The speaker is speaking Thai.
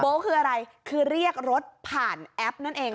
คืออะไรคือเรียกรถผ่านแอปนั่นเอง